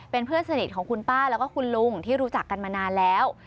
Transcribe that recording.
เป็นเพื่อนสนิทของคุณป้าแล้วก็คุณลุงที่รู้จักกันมานานแล้ว